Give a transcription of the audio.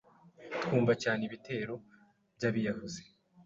Twumva cyane ibitero by’abiyahuzi